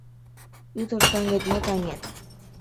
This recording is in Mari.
Ӱдыр-таҥет мо таҥет, -